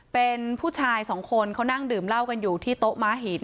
เป็นผู้ชายสองคนเขานั่งดื่มเหล้ากันอยู่ที่โต๊ะม้าหิน